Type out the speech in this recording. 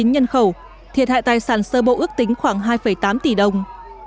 chín mươi chín nhân khẩu thiệt hại tài sản sơ bộ ước tính khoảng hai tám tỷ đồng